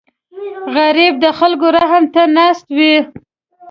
غریب د خلکو رحم ته ناست وي